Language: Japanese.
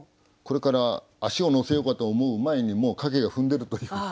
これから足をのせようかと思う前にもう影が踏んでるという。